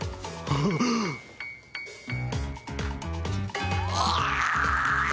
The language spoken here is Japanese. ああ。